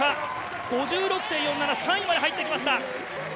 ５６．４７、３位に入ってきました。